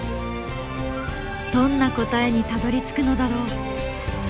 どんな答えにたどりつくのだろう。